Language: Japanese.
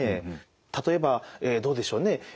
例えばどうでしょうね？